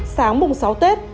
sáng mùng sáu tết